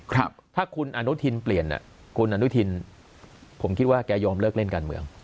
ถ้าคุณอนุทินเปลี่ยนอ่ะคุณอนุทินผมคิดว่าแกยอมเลิกเล่นการเมือง